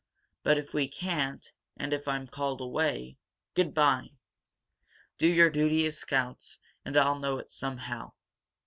But if we can't, and if I'm called away, good bye! Do your duty as scouts, and I'll know it somehow!